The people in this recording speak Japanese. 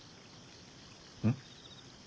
うん？